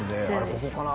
ここかな？